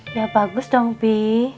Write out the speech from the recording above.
ya bagus dong bi